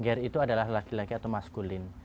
ger itu adalah laki laki atau maskulin